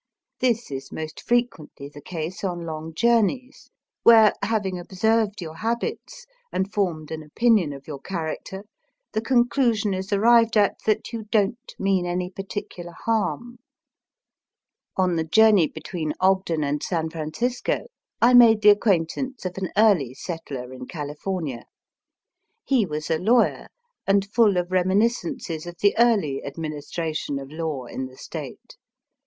This is most frequently the case on long journeys where, having ob served your habits, and formed an opinion of your character, the conclusion is arrived at that you don't mean any particular harm. On Digitized by VjOOQIC 160 EAST BY WEST. the journey between Ogden and San Francisco, I made the acquaintance of an early settler in California. He was a lawyer, and full of reminiscences of the early administration of law in the State.